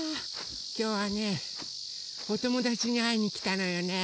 きょうはねおともだちにあいにきたのよね。